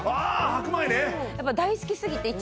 白米ね！